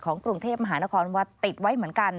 กรุงเทพมหานครวัดติดไว้เหมือนกัน